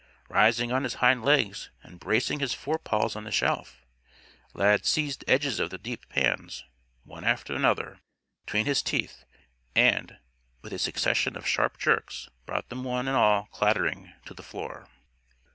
Rising on his hind legs and bracing his forepaws on the shelf, Lad seized edges of the deep pans, one after another, between his teeth, and, with a succession of sharp jerks brought them one and all clattering to the floor.